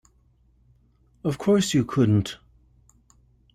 Of course you couldn't.